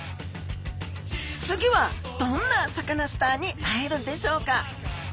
次はどんなサカナスターに会えるんでしょうか。